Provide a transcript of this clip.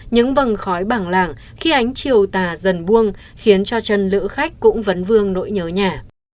những vầng khói bảng lạng khi ánh triều tà dần buông khiến cho chân lữ khách cũng vấn vương nỗi nhớ nhà